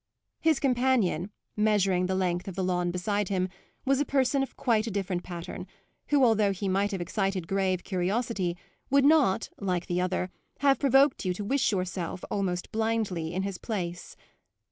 His companion, measuring the length of the lawn beside him, was a person of quite a different pattern, who, although he might have excited grave curiosity, would not, like the other, have provoked you to wish yourself, almost blindly, in his place.